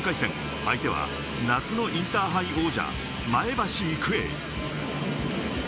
相手は夏のインターハイ王者、前橋育英。